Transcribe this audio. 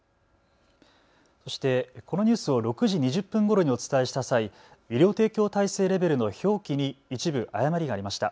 そして、このニュースを６時２０分ごろにお伝えした際、医療提供体制レベルの表記に一部、誤りがありました。